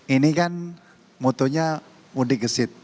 ini kan mutunya mudik gesit